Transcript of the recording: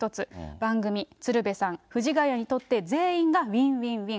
番組、鶴瓶さん、藤ヶ谷にとって全員がウィンウィンウィン。